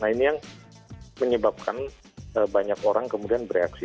nah ini yang menyebabkan banyak orang kemudian bereaksi